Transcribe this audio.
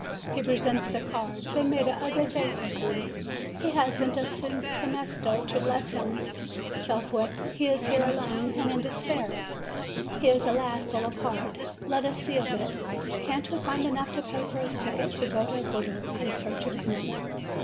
He presents the card; they make an ugly face at him: he hasn't a 272 MAY centesimo to bless himself with. He is here alone and in despair. He is a lad full of heart. Let us see a bit. Can't we find enough to pay for his ticket to go to Cordova in search of his mother?